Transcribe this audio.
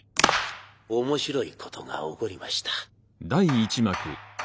面白いことが起こりました。